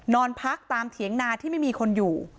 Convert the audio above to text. นอนพักตามเถียงนาที่ไม่มีคนอยู่